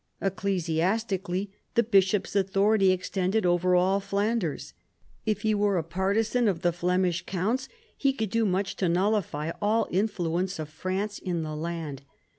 Ecclesiastically the bishop's authority extended over all Flanders. If he were a partisan of the Flemish counts he could do much to nullify all influence of France in the land.